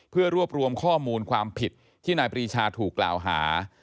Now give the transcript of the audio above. เพื่อรวบรวมข้อมูลความผิดที่นายปรีชาถูกกล่าวหา